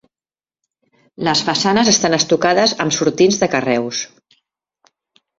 Les façanes estan estucades amb sortints de carreus.